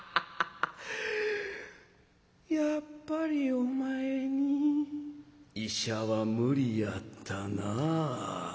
やっぱりお前に医者は無理やったなあ。